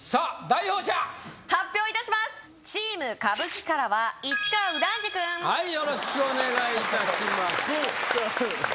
代表者発表いたしますチーム歌舞伎からは市川右團次君はいよろしくお願いいたします